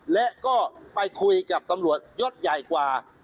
และก็ไปคุยกับตำรวจยศใหญ่กว่า